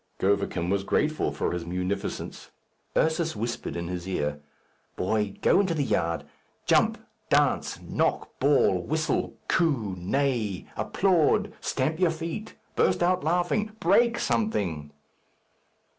Govicum was grateful for his munificence. Ursus whispered in his ear, "Boy, go into the yard; jump, dance, knock, bawl, whistle, coo, neigh, applaud, stamp your feet, burst out laughing, break something."